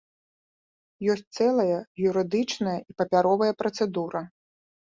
Ёсць цэлая юрыдычная і папяровая працэдура.